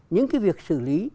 những cái việc xử lý